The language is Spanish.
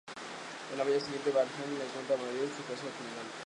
A la mañana siguiente, Valjean le cuenta a Marius su pasado criminal.